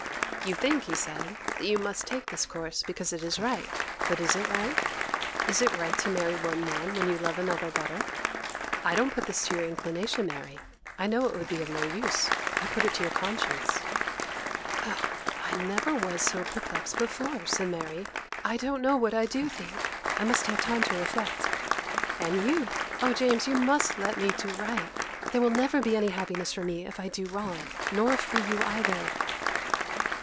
'You think,' he said, 'that you must take this course, because it is right; but is it right? Is it right to marry one man when you love another better? I don't put this to your inclination, Mary; I know it would be of no use. I put it to your conscience.' 'Oh, I never was so perplexed before!' said Mary. 'I don't know what I do think. I must have time to reflect. And you, oh, James! you must let me do right. There will never be any happiness for me if I do wrong—nor for you either.